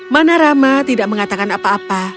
mana rama tidak mengatakan apa apa